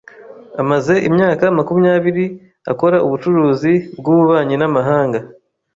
Amaze imyaka makumyabiri akora ubucuruzi bwububanyi n’amahanga.